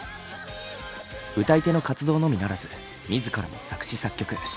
歌い手の活動のみならず自らも作詞作曲。